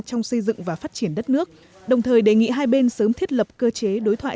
trong xây dựng và phát triển đất nước đồng thời đề nghị hai bên sớm thiết lập cơ chế đối thoại